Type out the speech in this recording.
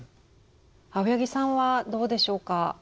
青柳さんはどうでしょうか？